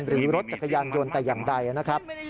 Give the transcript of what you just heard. หรือรถจักรยานยนต์แต่อย่างใดนะครับ